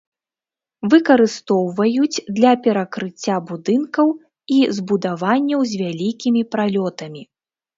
Выкарыстоўваюць для перакрыцця будынкаў і збудаванняў з вялікімі пралётамі.